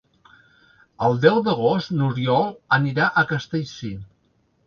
El deu d'agost n'Oriol anirà a Castellcir.